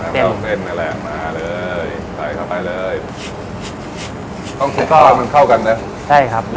เฉอเทศนะครับห่อมกระเทศไหล่นแหละ